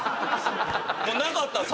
もうなかったら。